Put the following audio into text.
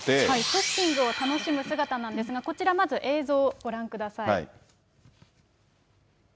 ショッピングを楽しむ姿なんですが、こちらまず映像をご覧ください。